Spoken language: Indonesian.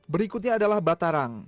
berikutnya adalah batarang